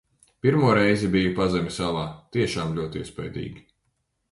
Pirmo reizi biju pazemes alā - tiešām ļoti iespaidīgi!